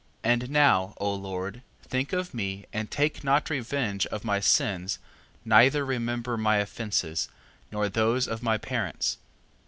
And now, O Lord, think of me, and take not revenge of my sins, neither remember my offences, nor those of my parents.